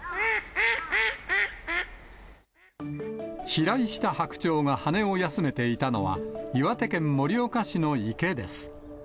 飛来した白鳥が羽を休めていたのは、岩手県盛岡市の池です。